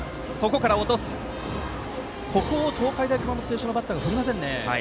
落とすボールを東海大熊本星翔のバッターが振りませんね。